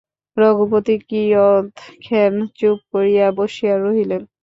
রঘুপতি কিয়ৎক্ষণ চুপ করিয়া বসিয়া রহিলেন।